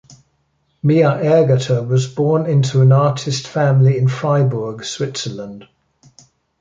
Mia Aegerter was born into an artist family in Fribourg, Switzerland.